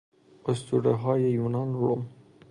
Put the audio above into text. اسطورههای یونان و روم